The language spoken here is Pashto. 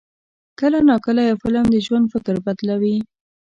کله ناکله یو فلم د ژوند فکر بدلوي.